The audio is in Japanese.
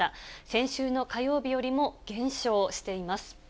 先週の火曜日よりも減少しています。